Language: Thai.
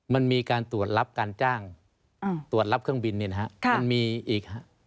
มันมีการตรวจรับการจ้างตรวจรับเครื่องบินมันมีอีก